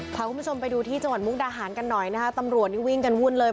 พาคุณผู้ชมไปดูที่จังหวัดมุกดาหารกันหน่อยนะคะตำรวจนี่วิ่งกันวุ่นเลย